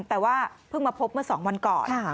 แต่ว่าเพิ่งมาพบเมื่อ๒วันก่อน